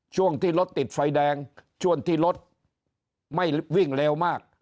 ช่วงที่รถติดไฟแดงช่วงที่รถไม่วิ่งเร็วมาก